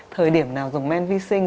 thời điểm nào dùng men vi sinh